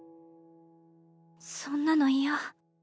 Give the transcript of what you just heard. そんなの嫌。